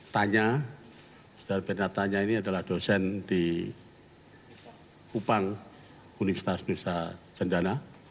tanya sedara bernat tanya ini adalah dosen di kupang universitas universitas jendana